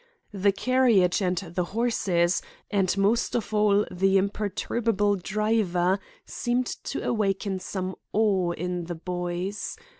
The carriage and the horses, and most of all, the imperturbable driver, seemed to awaken some awe in the boys.